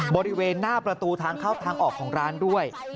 บริเวณหน้าประตูทางเข้าทางออกของร้านด้วย